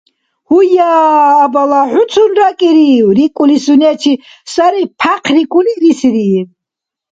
– Гьуя, абала, хӀуцун ракӀирив! – рикӀули сунечи сари пяхърикӀули, рисирииб.